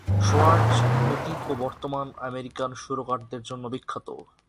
Schwarz, অতীত এবং বর্তমান আমেরিকান সুরকারদের জন্য বিখ্যাত।